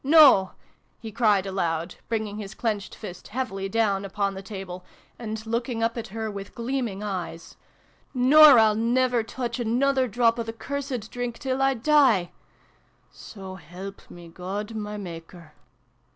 No !" he cried aloud, bringing, his clenched fist heavily down upon the table, and looking up at her with gleaming eyes, "nor I'll never touch another drop o' the cursed drink till 1 die so help me God my Maker!"